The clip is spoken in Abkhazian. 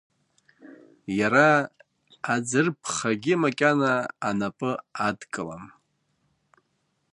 Иара аӡырԥхагьы макьана анапы адкылам.